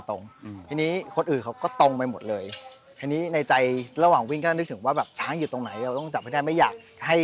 แต่เรื่องดีหรือว่าจะช่วยเหลือหรือว่าคิดดีทำดีอย่างนี้